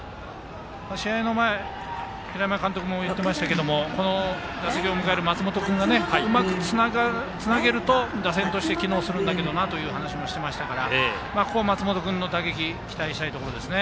試合の前、平山監督も言っていましたけど打席を迎える松本君がうまくつなげると、打線として機能するんだけどなという話もしていましたからここは松本君の打撃に期待したいところですね。